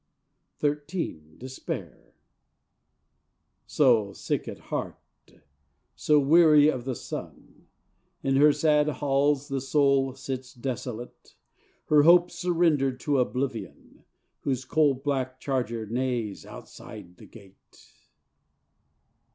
XIII Despair So sick at heart, so weary of the sun, In her sad halls the Soul sits desolate, Her Hope surrendered to Oblivion, Whose coal black charger neighs outside the gate.